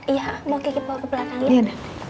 iya mau kiki bawa ke belakang ya